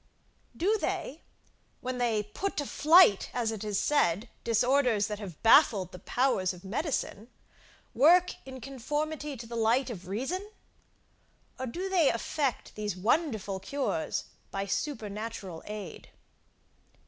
Do they, when they put to flight, as it is said, disorders that have baffled the powers of medicine, work in conformity to the light of reason? Or do they effect these wonderful cures by supernatural aid?